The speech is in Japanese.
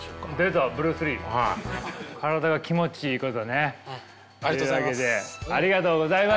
体が気持ちいいことね。というわけでありがとうございました。